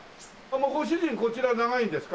ご主人こちら長いんですか？